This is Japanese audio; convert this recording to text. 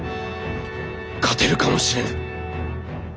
勝てるかもしれぬ。